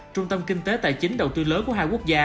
trung tâm kinh tế tài chính đầu tư lớn của hai quốc gia